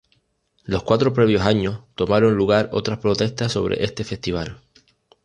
Los cuatro previos años, tomaron lugar otras protestas sobre este festival.